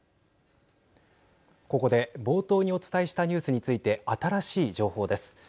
ここで冒頭にお伝えしたニュースについて新しい情報です。